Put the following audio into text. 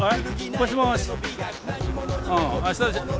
もしもし。